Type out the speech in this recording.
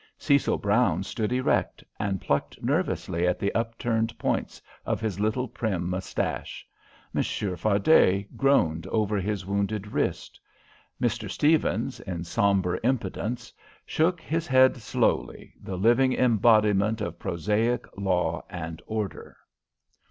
Cecil Brown stood erect, and plucked nervously at the upturned points of his little prim moustache. Monsieur Fardet groaned over his wounded wrist. Mr. Stephens, in sombre impotence, shook his head slowly, the living embodiment of prosaic law and order.